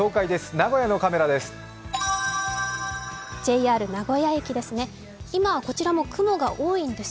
名古屋のカメラです。